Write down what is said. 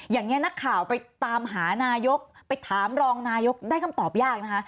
อย่างนี้นักข่าวไปตามหานายกไปถามรองนายกได้คำตอบยากนะคะ